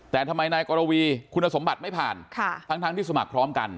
แต่ทำไมนายกรวีคุณสมบัติไม่ผ่านทั้งที่สมัครพร้อมกัน